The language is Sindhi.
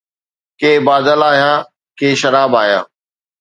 ڪي بادل آيا، ڪي شراب آيا